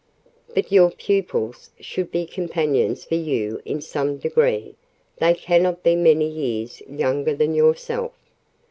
But your pupils should be companions for you in some degree; they cannot be many years younger than yourself."